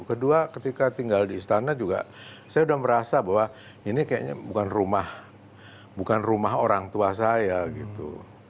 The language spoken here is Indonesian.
kedua ketika tinggal di istana juga saya sudah merasa bahwa ini kayaknya bukan rumah bukan rumah orang tua saya gitu